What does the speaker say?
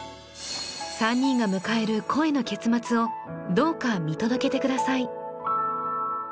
３人が迎える恋の結末をどうか見届けてください